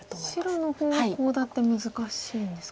白の方がコウ立て難しいんですか。